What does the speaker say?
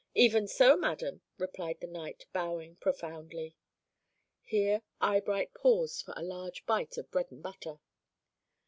"'Even so, madam,' replied the knight, bowing profoundly." Here Eyebright paused for a large bite of bread and butter.